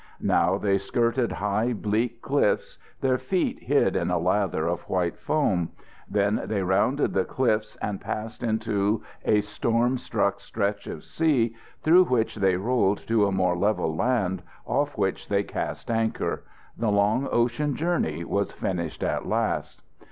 Now they skirted high, bleak cliffs, their feet hid in a lather of white foam; then they rounded the cliffs and passed into a storm struck stretch of sea through which they rolled to a more level land, off which they cast anchor. The long ocean journey was finished at last.